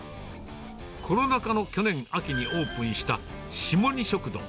コロナ禍の去年秋にオープンした下２食堂。